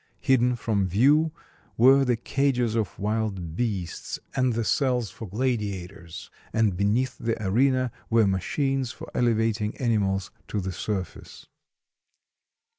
Hidden from view were the cages of wild beasts and the cells for gladiators, and beneath the arena were machines for elevating animals to the surface.